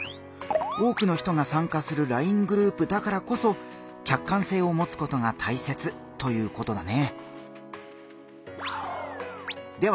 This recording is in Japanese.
多くの人が参加するＬＩＮＥグループだからこそ客観性をもつことがたいせつということだね。